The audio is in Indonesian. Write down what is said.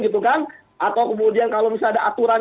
atau kemudian kalau misalnya ada aturan